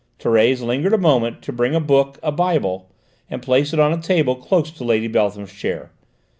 Thérèse lingered a moment, to bring a book, a Bible, and place it on a table close to Lady Beltham's chair.